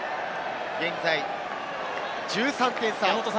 現在、１３点差。